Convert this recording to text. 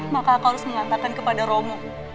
maka aku harus mengatakan kepada romo